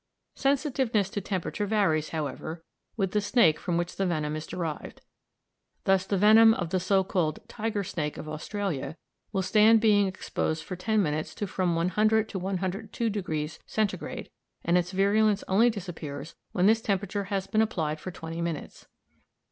Sensitiveness to temperature varies, however, with the snake from which the venom is derived. Thus the venom of the so called "tiger snake" of Australia will stand being exposed for ten minutes to from 100° to 102° degrees Centigrade, and its virulence only disappears when this temperature has been applied for twenty minutes.